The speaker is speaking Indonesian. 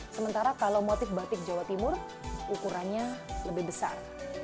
sementara kalau motif batik jawa timur ukurannya lebih besar